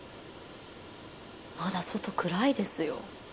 まだ外暗いですよ。